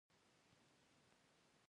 آرام پراته وای، ګل جانه به اوس په کټ کې.